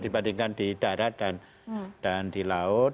dibandingkan di darat dan di laut